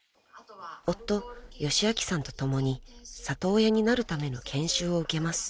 ［夫義明さんと共に里親になるための研修を受けます］